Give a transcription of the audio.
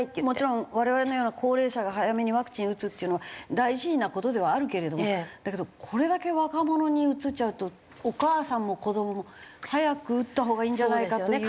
もちろん我々のような高齢者が早めにワクチン打つっていうのは大事な事ではあるけれどもだけどこれだけ若者にうつっちゃうとお母さんも子どもも早く打ったほうがいいんじゃないかと。